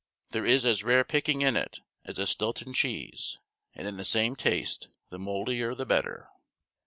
There is as rare picking in it as a Stilton cheese, and in the same taste the mouldier the better."